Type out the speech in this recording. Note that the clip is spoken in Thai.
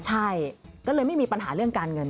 ใช่ก็เลยไม่มีปัญหาเรื่องการเงิน